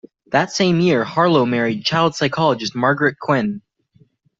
That same year, Harlow married child psychologist Margaret Kuenne.